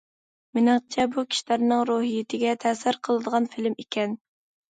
مېنىڭچە بۇ كىشىلەرنىڭ روھىيىتىگە تەسىر قىلىدىغان فىلىم ئىكەن.